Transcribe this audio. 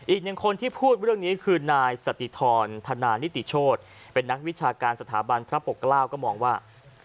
อีกหนึ่งคนที่พูดเรื่องนี้คือนายสติธรธนานิติโชธเป็นนักวิชาการสถาบันพระปกเกล้าก็มองว่า